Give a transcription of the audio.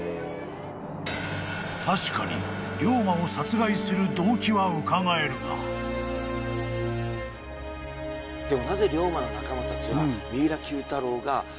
［確かに龍馬を殺害する動機はうかがえるが］でも。